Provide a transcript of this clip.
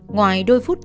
ngoài đôi phút nhẹ nhóm